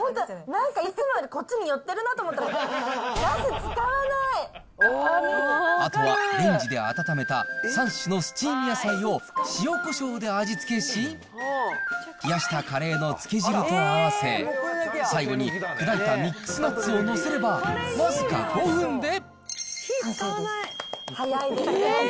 なんかいつもよりこっちに寄ってるなと思った、ガス使わないあとはレンジで温めた３種のスチーム野菜を塩こしょうで味付けし、冷やしたカレーのつけ汁と合わせ、最後に砕いたミックスナッツを載せれば、僅か５分で。